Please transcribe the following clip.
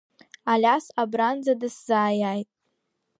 Алиас абранӡа дысзааиааит.